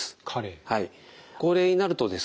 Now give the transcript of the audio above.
高齢になるとですね